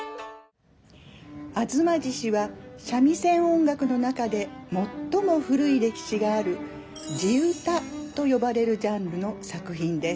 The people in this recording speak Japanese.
「吾妻獅子」は三味線音楽の中で最も古い歴史がある地唄と呼ばれるジャンルの作品です。